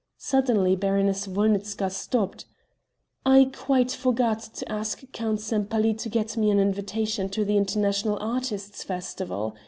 Suddenly Baroness Wolnitzka stopped: "I quite forgot to ask Count Sempaly to get me an invitation to the international artists' festival!"